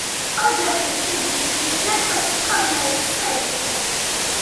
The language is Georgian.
ოჯახის შვიდი შვილიდან, ტოსიკო მეექვსე იყო.